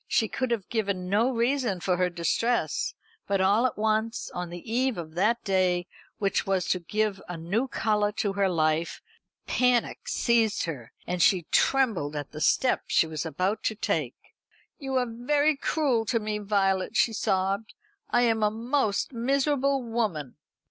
She could have given no reason for her distress; but all at once, on the eve of that day which was to give a new colour to her life, panic seized her, and she trembled at the step she was about to take. "You are very cruel to me, Violet," she sobbed. "I am a most miserable woman."